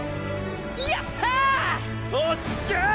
やったぁ！！